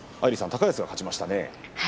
高安が勝ちましたね。